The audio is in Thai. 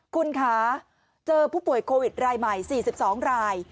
คุณคะเจอผู้ป่วยโควิดรายใหม่๔๒ราย